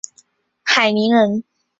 海宁人。